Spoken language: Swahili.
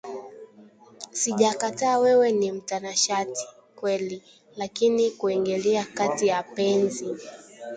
Sijakataa wewe ni mtanashati kweli lakini kuingilia kati ya penzi